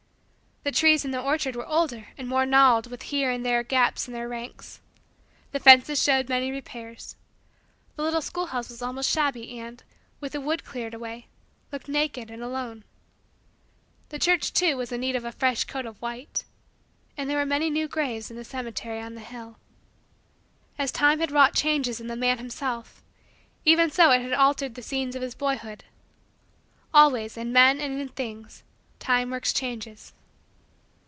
The trees in the orchard were older and more gnarled with here and there gaps in their ranks. The fences showed many repairs. The little schoolhouse was almost shabby and, with the wood cleared away, looked naked and alone. The church, too, was in need of a fresh coat of white. And there were many new graves in the cemetery on the hill. As time had wrought changes in the man himself, even so had it altered the scenes of his boyhood. Always, in men and in things, time works changes.